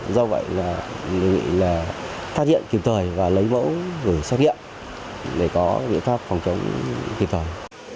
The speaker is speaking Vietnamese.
do vậy là đề nghị là phát hiện kiểm tòi và lấy mẫu gửi xét nghiệm để có địa pháp phòng chống kiểm tòi